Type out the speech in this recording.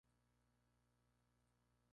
Actuó junto a Wil Wheaton.